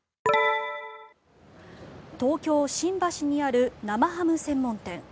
東京・新橋にある生ハム専門店。